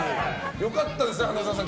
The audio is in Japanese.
良かったですね、花澤さん